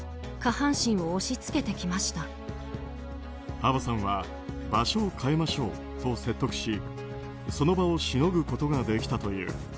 アヴァさんは場所を変えましょうと説得しその場をしのぐことができたという。